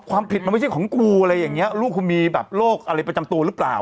ความผิดมันไม่ใช่ของกูอะไรอย่างนี้ลูกกูมีแบบโรคอะไรประจำตัวหรือเปล่า